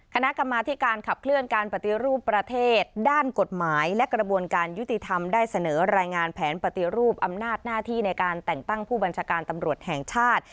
คณะกรรมาธิการขับเคลื่อนการปฏิรูปประเทศด้านกฎหมายและกระบวนการยุติธรรมได้เสนอรายงานแผนปฏิรูปอำนาจหน้าที่ในการแต่งตั้งผู้บัญชาการตำรวจแห่งชาติ